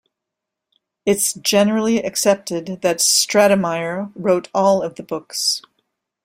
It's generally accepted that Stratemeyer wrote all of the books.